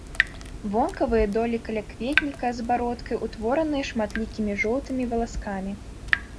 Вонкавыя долі калякветніка з бародкай, утворанай шматлікімі жоўтымі валаскамі.